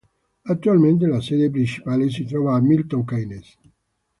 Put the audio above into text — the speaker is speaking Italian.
Attualmente la sede principale si trova a Milton Keynes.